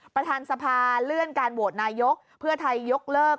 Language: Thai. ประธานสภาเลื่อนการโหวตนายกเพื่อไทยยกเลิก